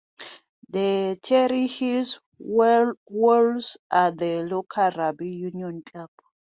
The Terrey Hills Wolves are the local Rugby Union Club.